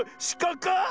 しかか？